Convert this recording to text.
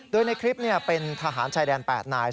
โดยในคลิปเป็นทหารชายแดน๘นาย